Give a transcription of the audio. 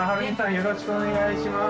よろしくお願いします。